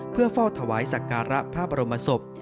เพื่อเฝ้าถวายศักรรณภาพบรมศพ